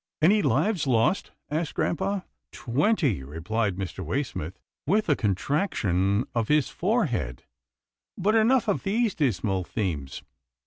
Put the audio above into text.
" Any lives lost ?" asked grampa. " Twenty," replied Mr. Way smith, with a contrac tion of his forehead, " but enough of these dismal themes.